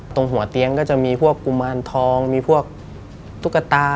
ตรงหัวเตียงก็จะมีพวกกุมารทองมีพวกตุ๊กตา